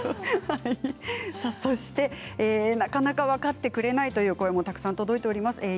そしてなかなか分かってくれないという声もたくさん届いています。